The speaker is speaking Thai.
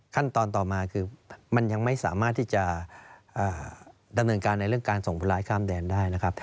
ขั้นตอนต่อมาคือมันยังไม่สามารถที่จะดำเนินการในเรื่องการส่งผู้ร้ายข้ามแดนได้นะครับ